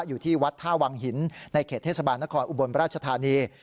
อยู่ที่วัดท่าวังหินในเขตเทศบาลนครอุบลราชธานี